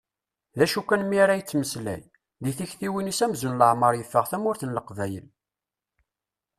D acu kan mi ara yettmeslay, deg tiktiwin-is amzun leɛmer yeffeɣ tamurt n Leqbayel.